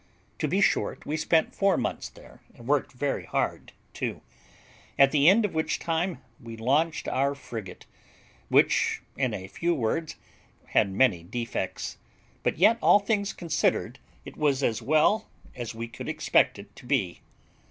To be short, we spent four months here, and worked very hard too; at the end of which time we launched our frigate, which, in a few words, had many defects, but yet, all things considered, it was as well as we could expect it to be.